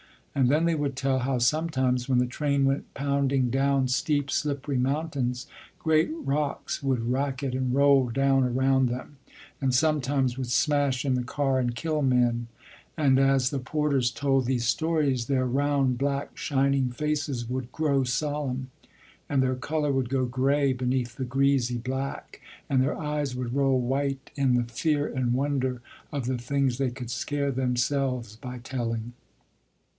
And then they would tell how sometimes when the train went pounding down steep slippery mountains, great rocks would racket and roll down around them, and sometimes would smash in the car and kill men; and as the porters told these stories their round, black, shining faces would grow solemn, and their color would go grey beneath the greasy black, and their eyes would roll white in the fear and wonder of the things they could scare themselves by telling.